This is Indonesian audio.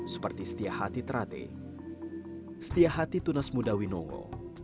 seperti setia hati terate setia hati tunasmudawinongo